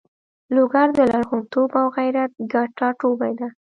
لوګر د لرغونتوب او غیرت ګډ ټاټوبی ده.